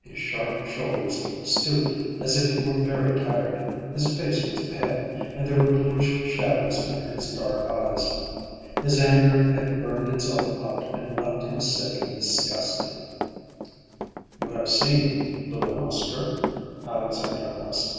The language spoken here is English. His sharp shoulders stooped as if he were very tired, his face was pale, and there were bluish shadows under his dark eyes. His anger had burned itself out and left him sick and disgusted. "You have seen Lou and Oscar?" Alexandra asked.